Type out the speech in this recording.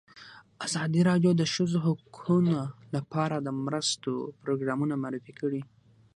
ازادي راډیو د د ښځو حقونه لپاره د مرستو پروګرامونه معرفي کړي.